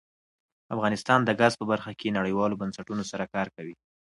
افغانستان د ګاز په برخه کې نړیوالو بنسټونو سره کار کوي.